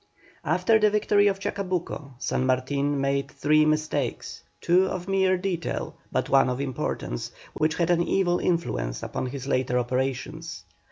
After the victory of Chacabuco, San Martin made three mistakes, two of mere detail, but one of importance, which had an evil influence upon his later operations.